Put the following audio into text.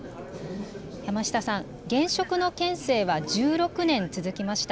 山下さん、現職の県政は１６年続きました。